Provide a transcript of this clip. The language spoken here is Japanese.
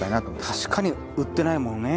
確かに売ってないもんね。